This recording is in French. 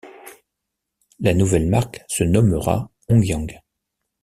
La nouvelle marque se nommera Hongyan.